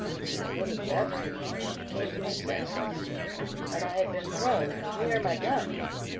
But when he left me, I came to my senses; and I had been thrown near my gun!